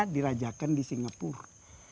dirajakan di singapura